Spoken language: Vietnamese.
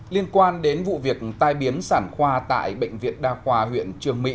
liên quan đến vụ việc tai biến sản khoa tại bệnh viện đa khoa huyện trường mỹ